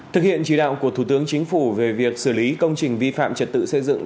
thực hiện chỉ đạo của thủ tướng chính phủ về việc xử lý công trình vi phạm trật tự xây dựng